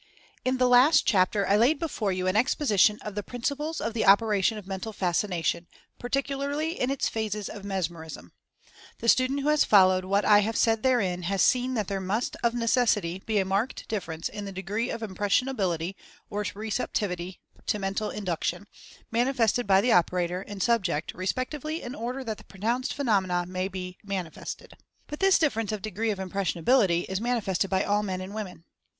In the last chapter I laid before you an exposition of the principles of the operation of Mental Fascina tion, particularly in its phases of Mesmerism. The student who has followed what I have said therein has seen that there must, of necessity, be a marked differ ence in the degree of Impressionability, or Receptivity to Mentative Induction, manifested by the operator and subject respectively in order that the pronounced phe nomena may be manifested. But this difference of degree of Impressionability is manifested by all men and women.